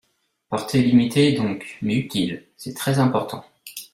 Portée limitée donc, mais utile, C’est très important